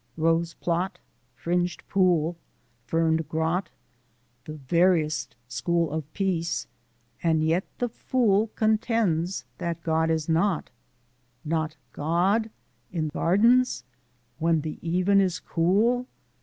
Rose plot, Fringed pool, Ferned grot The veriest school of peace; and yet the fool Contends that God is not Not God! in gardens? when the even is cool?